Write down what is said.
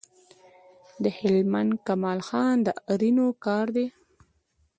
د هلمند کمال خان د آرینو کار دی